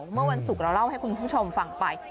เมื่อวันศุกร์เราเล่าให้คุณผู้ชมฟังไป